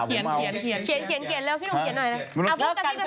เขียนเร็วพี่หนูเขียนหน่อย